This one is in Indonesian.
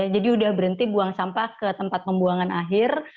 jadi sudah berhenti buang sampah ke tempat pembuangan akhir